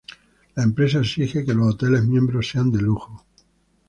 La empresa exige que los hoteles miembros sean de lujo.